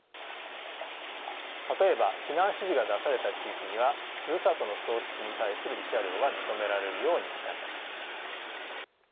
例えば避難指示が出された地域にはふるさとの喪失に対する慰謝料が認められるようになりました。